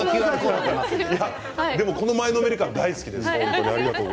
その前のめり感好きですよ。